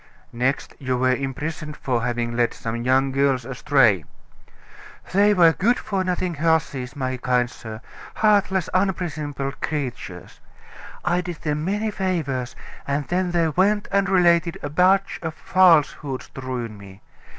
"Next you were imprisoned for having led some young girls astray." "They were good for nothing hussies, my kind sir, heartless, unprincipled creatures. I did them many favors, and then they went and related a batch of falsehoods to ruin me.